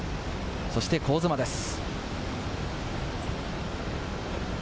そして香妻です。